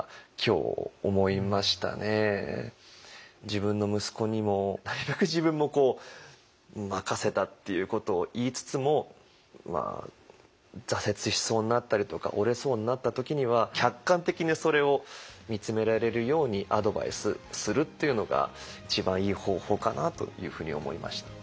自分の息子にもなるべく自分も任せたっていうことを言いつつも挫折しそうになったりとか折れそうになった時には客観的にそれを見つめられるようにアドバイスするっていうのが一番いい方法かなというふうに思いました。